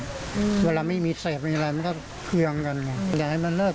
กี่วันไม่มีเสพอีกมากิบอย่างกันไง